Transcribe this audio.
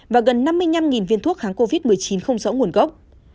và gần năm mươi năm viên thuốc kháng covid một mươi chín không rõ nguồn gốc